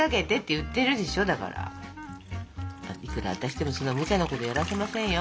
いくら私でもそんなむちゃなことやらせませんよ。